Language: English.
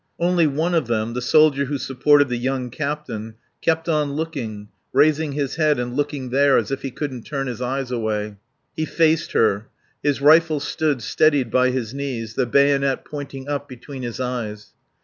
Only one of them, the soldier who supported the young captain, kept on looking, raising his head and looking there as if he couldn't turn his eyes away. He faced her. His rifle stood steadied by his knees, the bayonet pointing up between his eyes.